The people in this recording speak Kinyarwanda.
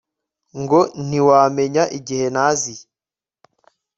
ngo ntiwamenye igihe naziye